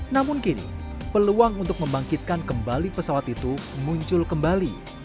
namun kini peluang untuk membangkitkan kembali pesawat itu muncul kembali